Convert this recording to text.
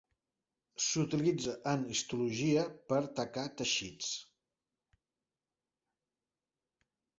S'utilitza en histologia per tacar teixits.